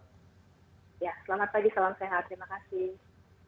ya selamat pagi salam sehat terima kasih